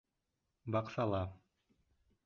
Баҡсала